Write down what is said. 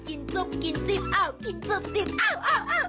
กินจุ๊บกินจิ๊บอ้าวกินจุ๊บจิ๊บอ้าว